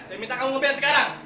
saya minta kamu nge ban sekarang